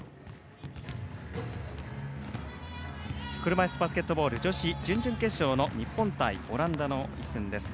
車いすバスケットボール女子準々決勝の日本対オランダの一戦です。